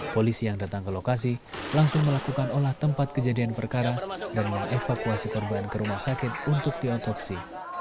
polisi yang datang ke lokasi langsung melakukan olah tempat kejadian perkara dan mengevakuasi korban ke rumah sakit untuk diotopsi